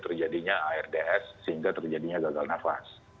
kemudian akhirnya ards sehingga terjadinya gagal nafas